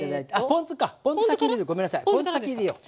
ポン酢から先に入れよう。